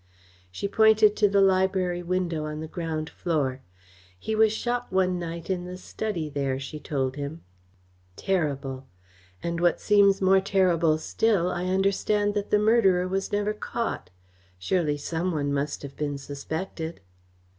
She pointed to the library window on the ground floor. "He was shot one night in the study there," she told him. "Terrible! And what seems more terrible still, I understand that the murderer was never caught. Surely some one must have been suspected."